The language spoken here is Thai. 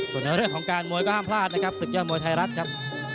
ส่วนในเรื่องของการมวยก็ห้ามพลาดนะครับศึกยอดมวยไทยรัฐครับ